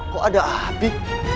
kok ada api